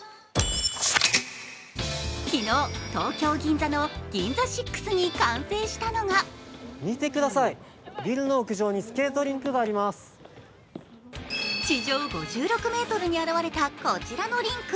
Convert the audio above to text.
昨日、東京・銀座のＧＩＮＺＡＳＩＸに完成したのが地上５６ｍに現れたこちらのリンク。